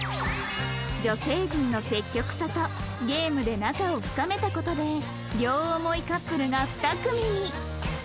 女性陣の積極さとゲームで仲を深めた事で両思いカップルが２組に